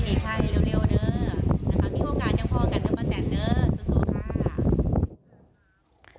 พี่โฮการยังพอกันด้วยป้าแต่นเนอะสู้ค่ะ